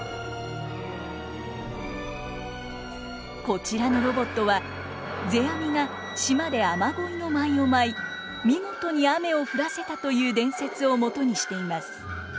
こちらのロボットは世阿弥が島で雨乞いの舞を舞い見事に雨を降らせたという伝説をもとにしています。